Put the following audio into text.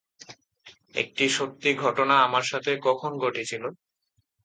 একটি সত্যি ঘটনা আমার সাথে কখন ঘটেছিলো?